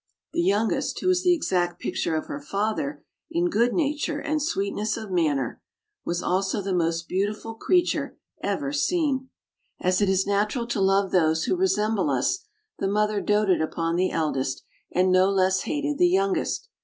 The youngest, who was the exact picture of her father in good nature and sweetness of manner, was also the most beautiful creature ever seen. As it is natural to love those who resemble us, the mother doted upon the eldest, and no less hated the youngest.